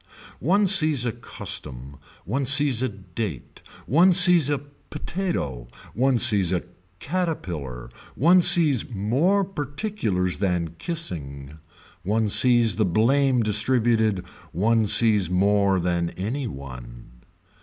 One sees a custom, one sees a date, one sees a potatoe, one sees a caterpillar, one sees more particulars than kissing, one sees the blame distributed, one sees more than any one.